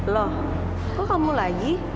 loh kok kamu lagi